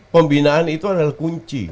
pembinaan itu adalah kunci